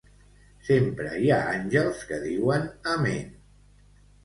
Sempre hi ha àngels que diuen amén.